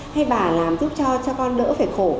hay bà làm giúp cho cho con đỡ phải khổ